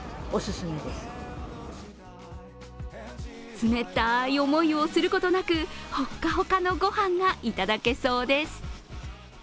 冷たい思いをすることなくほっかほかのご飯がいただけそうです。